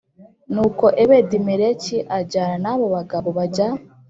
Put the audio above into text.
Nuko ebedimeleki ajyana n abo bagabo bajya